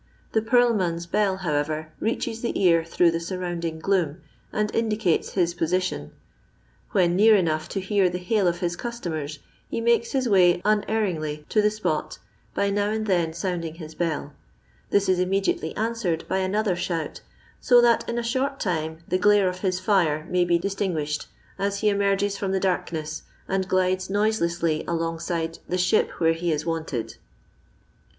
The purl man's bell, how ever, reaches the ear through the surrounding gloom, and indicates his position; when near enough to hear the hail of his customers, he makes his way unerringly to the spot by now and then sounding his bell ; this is immediately answered by another shout, so that in a short time the glare of his fire may be distinguished as he emerges from the darkness, and glides noiselessly alongside the ship where he is wanted.